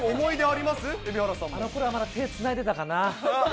あのころはまだ手つないでたかな。